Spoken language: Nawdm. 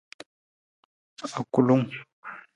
Akulung.